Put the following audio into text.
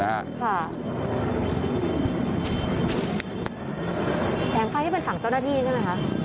แสงไฟนี่เป็นฝั่งเจ้าหน้าที่ใช่ไหมคะ